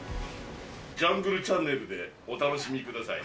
ジャングルちゃんねるでお楽しみください。